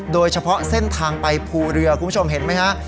โดยเฉพาะเส้นทางไปภูเรือคุณผู้ชมเห็นไหมฮะ